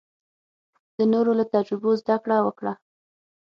د نورو له تجربو زده کړه وکړه.